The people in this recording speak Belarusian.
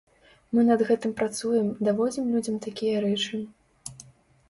Мы над гэтым працуем, даводзім людзям такія рэчы.